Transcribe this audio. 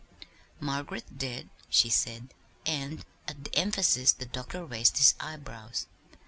"Margaret did," she said; and at the emphasis the doctor raised his eyebrows.